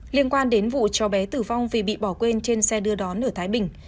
liên quan đến vụ cho bé tử vong vì bị bỏ quên trên xe đưa đón ở thái bình